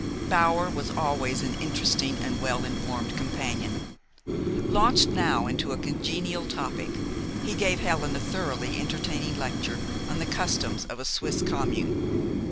Bower was always an interesting and well informed companion. Launched now into a congenial topic, he gave Helen a thoroughly entertaining lecture on the customs of a Swiss commune.